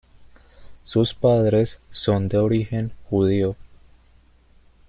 Sus padres son de origen judío.